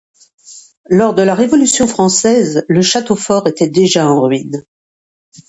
Lors de la Révolution Française, le château-fort était déjà en ruines.